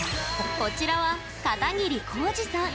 こちらは片桐浩司さん。